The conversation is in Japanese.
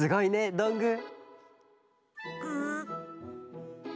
どんぐー！